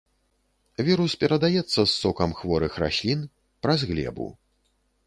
Вірус перадаецца з сокам хворых раслін, праз глебу.